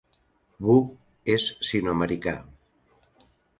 Wu és sinoamericà.